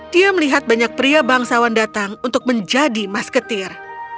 dia melihat banyak pria bangsawan datang untuk menjadi masketir